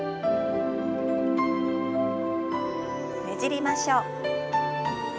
ねじりましょう。